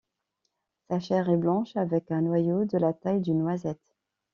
Sa chair est blanche avec un noyau de la taille d'une noisette.